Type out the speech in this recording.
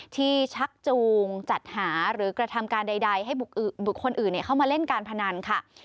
ชักจูงจัดหาหรือกระทำการใดให้บุคคลอื่นเข้ามาเล่นการพนันค่ะ